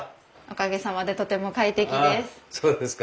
おかげさまでとても快適です。